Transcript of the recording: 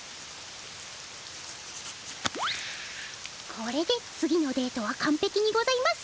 これで次のデートはかんぺきにございます。